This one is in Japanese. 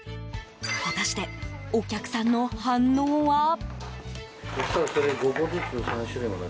果たして、お客さんの反応は？